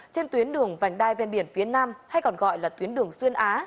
trên tuyến đường vành đai ven biển phía nam hay còn gọi là tuyến đường xuyên á